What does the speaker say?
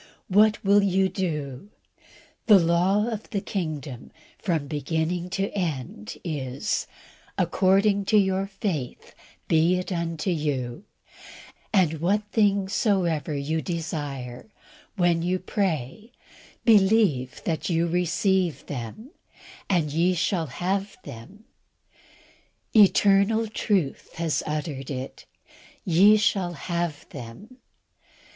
What will you do? The law of the kingdom, from beginning to end, is, "According to your faith be it unto you," and, "What things soever ye desire, when ye pray, believe that ye receive them, and ye shall have them." Eternal truth has uttered it "ye shall have them."